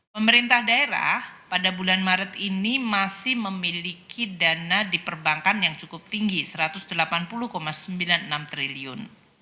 pemerintah daerah pada bulan maret ini masih memiliki dana di perbankan yang cukup tinggi rp satu ratus delapan puluh sembilan puluh enam triliun